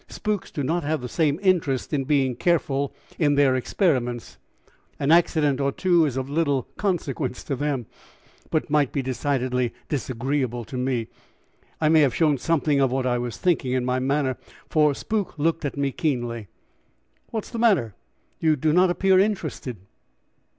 Spooks do not have the same interest in being careful in their experiments an accident or two is of little consequence to them, but might be decidedly disagreeable to me. I may have shown something of what I was thinking in my manner, for Spook looked at me keenly. "What is the matter? You do not appear interested."